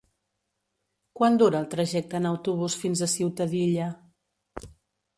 Quant dura el trajecte en autobús fins a Ciutadilla?